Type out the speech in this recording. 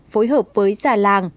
phối hợp với xà làng